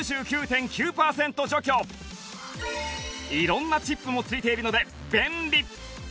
色んなチップも付いているので便利！